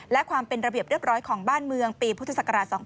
และความเป็นระเบียบเรียบร้อยของบ้านเมืองปีพศ๒๕๓๕